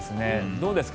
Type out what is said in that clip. どうですか？